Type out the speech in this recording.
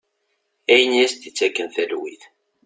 Ayen i as-d-ittaken talwit.